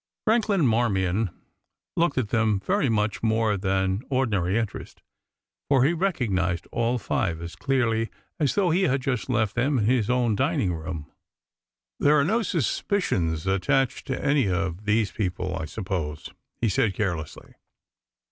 Franklin Marmion looked at them with much more than ordinary interest, for he recognised all five as clearly as though he had just left them in his own dining room. "There are no suspicions attaching to any of these people, I suppose?" he said carelessly.